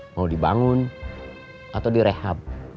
mau dibangun atau direhab